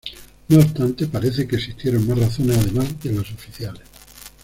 No obstante parece que existieron más razones además de las oficiales.